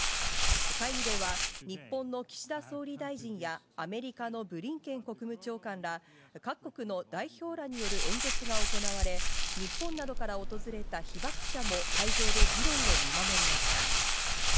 会議では日本の岸田総理大臣や、アメリカのブリンケン国務長官ら各国の代表らによる演説が行われ、日本などから訪れた被爆者も会場で議論を見守りました。